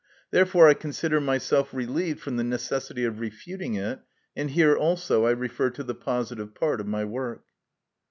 Therefore I consider myself relieved from the necessity of refuting it; and here also I refer to the positive part of my work.